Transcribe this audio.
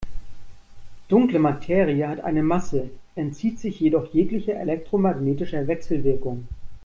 Dunkle Materie hat eine Masse, entzieht sich jedoch jeglicher elektromagnetischer Wechselwirkung.